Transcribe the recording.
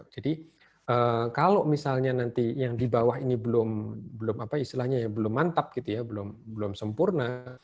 jadi kalau misalnya nanti yang di bawah ini belum mantap belum sempurna